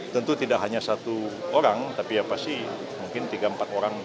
tentu tidak hanya satu orang tapi ya pasti mungkin tiga empat orang